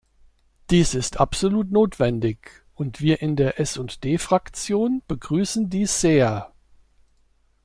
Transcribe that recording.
Dies ist absolut notwendig, und wir in der S&D-Fraktion begrüßen dies sehr.